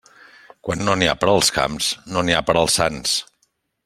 Quan no n'hi ha per als camps, no n'hi ha per als sants.